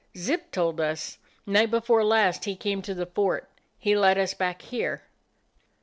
"Zip told us. Night before last he came to the fort. He led us back here."